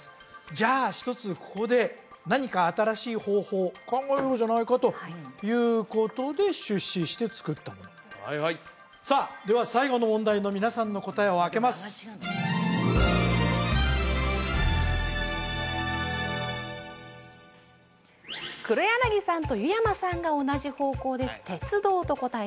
じゃあひとつここで何か新しい方法を考えようじゃないかということで出資してつくったものさあでは最後の問題の皆さんの答えをあけますさあ大西さん